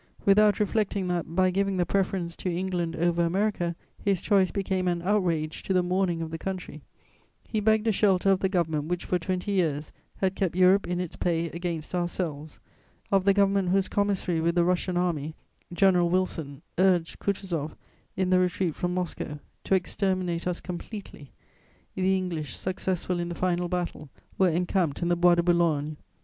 Without reflecting that, by giving the preference to England over America, his choice became an outrage to the mourning of the country, he begged a shelter of the government which, for twenty years, had kept Europe in its pay against ourselves, of the government whose commissary with the Russian Army, General Wilson, urged Kutuzoff, in the retreat from Moscow, to exterminate us completely: the English, successful in the final battle, were encamped in the Bois de Boulogne.